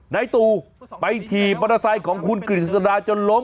นายตู่ไปที่ประทับของคุณกฤษดาจนล้ม